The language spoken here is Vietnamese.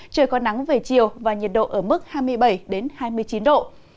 trời có nắng về chiều và nhiệt độ ở mức hai mươi bảy hai mươi chín độ